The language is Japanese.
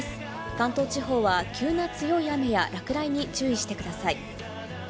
関東地方は急な強い雨や落雷に注意してください。